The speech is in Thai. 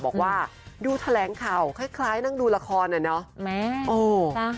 บอกว่าดูแถลงข่าวคล้ายนั่งดูละครอะเนาะ